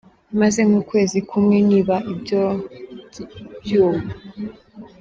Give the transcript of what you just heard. Maze nk’ukwezi kumwe niba ibyo byuma.